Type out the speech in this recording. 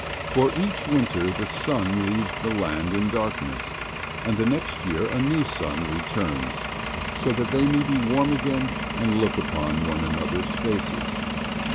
For each winter the sun leaves the land in darkness, and the next year a new sun returns so that they may be warm again and look upon one another's faces.